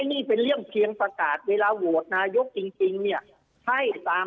นี่เป็นเรื่องเพียงประกาศเวลาโหวตนายกจริงเนี่ยให้ตาม